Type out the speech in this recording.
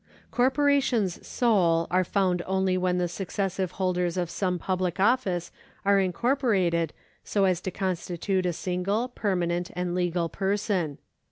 Corporations sole are found only when the succes sive holders of some public office are incorporated so as to constitute a single, permanent, and legal person.